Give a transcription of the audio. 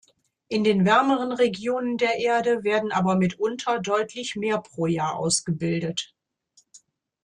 In den wärmeren Regionen der Erde werden aber mitunter deutlich mehr pro Jahr ausgebildet.